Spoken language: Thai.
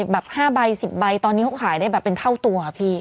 แบบ๕ใบ๑๐ใบตอนนี้เขาขายได้แบบเป็นเท่าตัวพี่